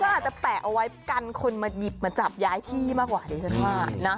ก็อาจจะแปะเอาไว้กันคนมาหยิบมาจับย้ายที่มากกว่าดิฉันว่านะ